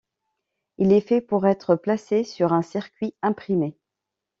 Il est fait pour être placé sur un circuit imprimé.